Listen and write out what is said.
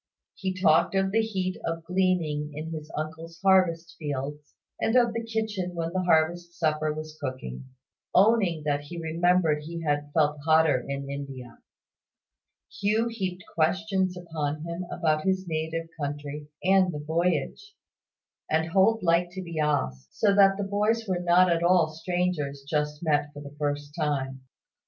He talked of the heat of gleaning in his uncle's harvest fields, and of the kitchen when the harvest supper was cooking; owning that he remembered he had felt hotter in India. Hugh heaped questions upon him about his native country and the voyage; and Holt liked to be asked: so that the boys were not at all like strangers just met for the first time.